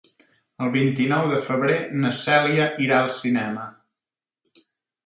El vint-i-nou de febrer na Cèlia irà al cinema.